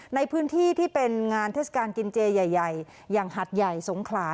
ในพื้นที่ที่เป็นงานเทศกาลกินเจใหญ่อย่างหัดใหญ่สงขลา